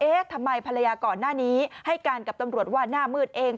ทำไมภรรยาก่อนหน้านี้ให้การกับตำรวจว่าหน้ามืดเอง